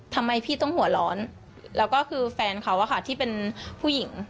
ทำไมพี่ต้องหัวร้อนแล้วก็คือแฟนเขาอะค่ะที่เป็นผู้หญิง